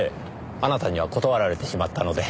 あなたには断られてしまったので。